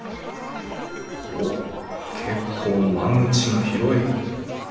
おっ結構間口が広い。